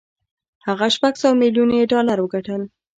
هغه شپږ سوه ميليون يې ډالر وګټل.